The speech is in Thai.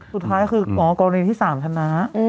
สุดท้ายคืออ๋อกรณีที่๓ชนะ